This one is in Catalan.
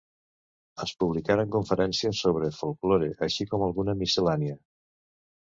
Es publicaren conferències sobre folklore, així com alguna miscel·lània.